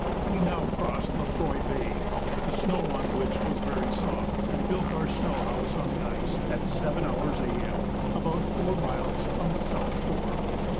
We now crossed Lefroy Bay, the snow on which was very soft, and built our snow house on the ice at 7h. A.M. about four miles from its south shore.